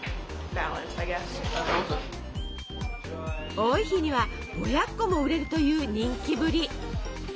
多い日には５００個も売れるという人気ぶり。